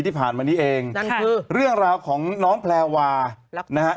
ที่ผ่านมานี้เองนั่นคือเรื่องราวของน้องแพลวานะฮะ